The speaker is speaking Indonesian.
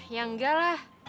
ya enggak lah